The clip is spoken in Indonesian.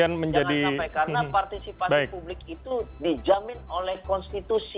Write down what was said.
jangan sampai karena partisipasi publik itu dijamin oleh konstitusi